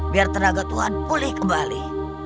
biar tenaga tuhan pulih kembali